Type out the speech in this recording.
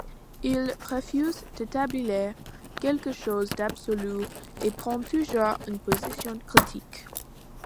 Il refuse d'établir quelque chose d'absolu et prend toujours une position critique.